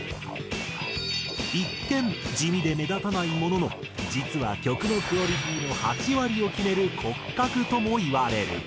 一見地味で目立たないものの実は曲のクオリティーの８割を決める骨格ともいわれる。